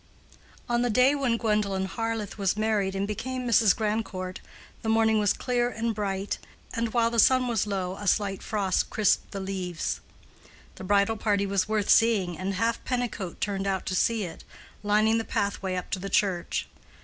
On the day when Gwendolen Harleth was married and became Mrs. Grandcourt, the morning was clear and bright, and while the sun was low a slight frost crisped the leaves. The bridal party was worth seeing, and half Pennicote turned out to see it, lining the pathway up to the church.